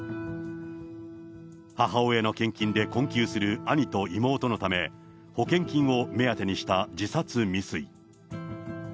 母親の献金で困窮する兄と妹のため、保険金を目当てにした自殺未遂。